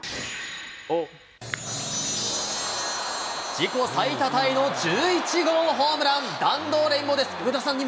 自己最多タイの１１号ホームラン、弾道レインボーです。